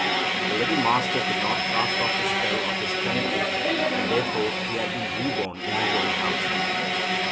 The little Master could not cast off the spell of his Chan na, and therefore he had been reborn in his own house.